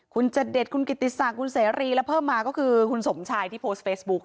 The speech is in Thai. คุณจเด็ดคุณกิติศักดิ์คุณเสรีและเพิ่มมาก็คือคุณสมชายที่โพสต์เฟซบุ๊ค